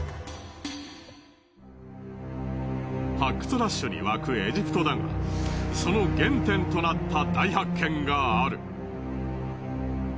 発掘ラッシュに沸くエジプトだがその原点となった大発見がある。